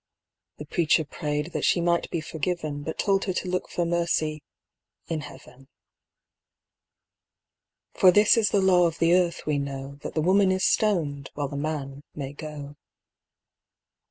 The preacher prayed that she might be forgiven, But told her to look for mercy in heaven. For this is the law of the earth, we know: That the woman is stoned, while the man may go.